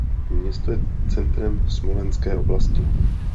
Město je centrem Smolenské oblasti.